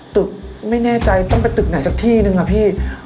ตึกไม่แน่ใจต้องไปตึกไหนสักที่หนึ่งค่ะพี่